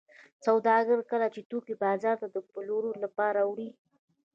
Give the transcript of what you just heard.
سوداګر کله چې توکي بازار ته د پلورلو لپاره وړي